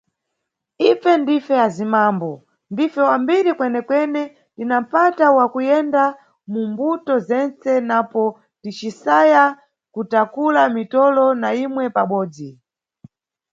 Ife ndife azimambo, ndife wa mbiri kwene-kwene tina mpata wa kuyenda mu mbuto zentse napo ticisaya kutakula mitolo na imwe pabobzi!